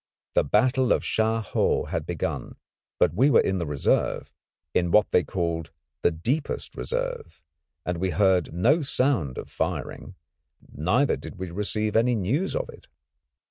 The battle of Sha Ho had begun, but we were in the reserve, in what they called the deepest reserve, and we heard no sound of firing, neither did we receive any news of it.